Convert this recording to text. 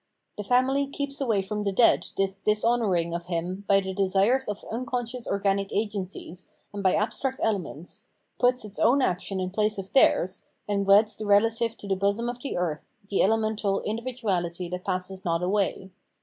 * The family keeps away from the dead this dishonouring of him by the desires of unconscious organic agencies and by abstract elements, puts its own action in place of theirs, and weds the relative to the bosom of the earth, the elemental individu ality that passes not away.